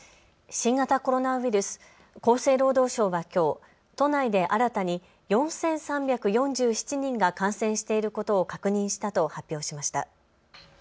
新型コロナウイルス、厚生労働省はきょう都内で新たに４３４７人が感染していることを確認したと発表しました。